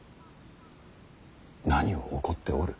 何を怒っておる。